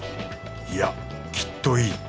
いやきっといい。